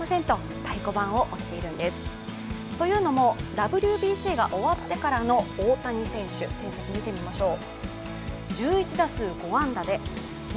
ＷＢＣが終わってからの大谷選手の成績、見てみましょう。